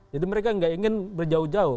jadi mereka tidak ingin berjauh jauh